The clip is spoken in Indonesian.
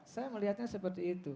saya melihatnya seperti itu